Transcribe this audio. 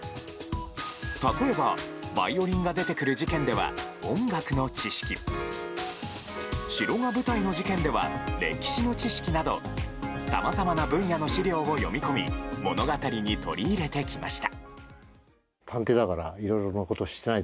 例えば、バイオリンが出てくる事件では音楽の知識城が舞台の事件では歴史の知識などさまざまな分野の資料を読み込み物語に取り入れてきました。